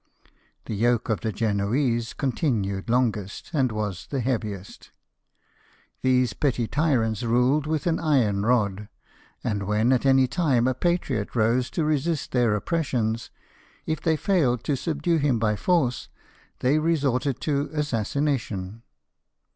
The yoke of the Genoese continued longest, and was the heaviest. These petty tyrants ruled with an iron rod ; and when at any time a patriot rose to resist their oppressions, if they failed to subdue him by force, they resorted to assassination.